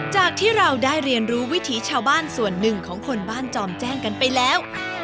จากที่เราได้เรียนรู้วิถีชาวบ้านส่วนหนึ่งของคนบ้านจอมแจ้งกันไปแล้ว